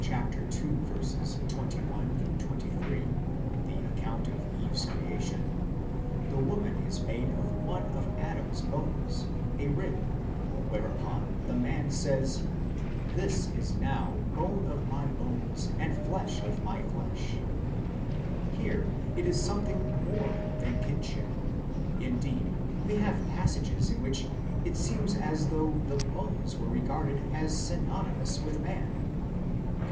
21 23, the account of Eve s creation, the woman is made of one of Adam s bones, a rib, whereupon the man says :" This is now bone of my bones, and flesh of my flesh ..." Here it is something more than kinship ; indeed, we have passages in which it seems as though the bones were regarded as synonymous with man (cp.